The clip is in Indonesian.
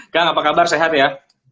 kang apa kabar sehat ya